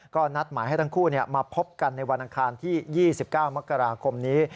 ก็นัดหมายให้ทั้งคู่มาพบกันในวันอังคารที่๒๙มกราคมนี้